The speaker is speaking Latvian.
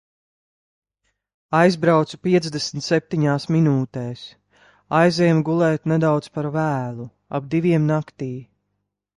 Aizbraucu piecdesmit septiņās minūtēs. Aizejam gulēt nedaudz par vēlu - ap diviem naktī.